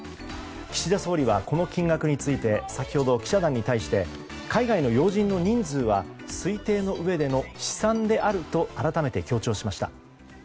岸田総理はこの金額について先ほど、記者団に対して海外の要人の人数は推定のうえでの試算であると改めて強調しました。